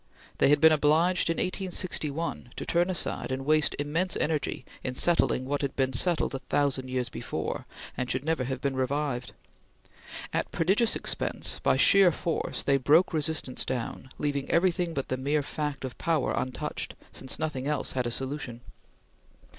They had been obliged, in 1861, to turn aside and waste immense energy in settling what had been settled a thousand years before, and should never have been revived. At prodigious expense, by sheer force, they broke resistance down, leaving everything but the mere fact of power untouched, since nothing else had a solution.